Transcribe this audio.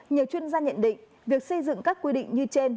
nhiều chuyên gia nhận định việc xây dựng các quy định như trên